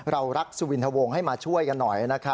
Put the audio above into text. เรารักสุวินทวงให้มาช่วยกันหน่อย